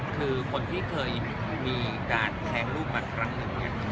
คือคนที่เคยมีการแครงรูปมากลังหนึ่ง